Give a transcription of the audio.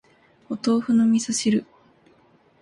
お豆腐の味噌汁